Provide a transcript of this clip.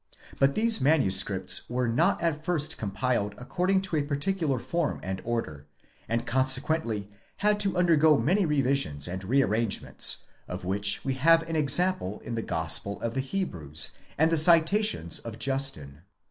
But these manuscripts were not at first compiled according to a particular form and order, and consequently had to undergo many revisions and re atrangements, of which we have an example in the 'Gospel of the Hebrews and the citations of Justin.